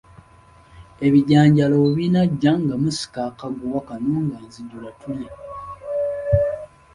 Ebijanjaalo bwe binaggya nga musika akaguwa kano nga nzija tulya.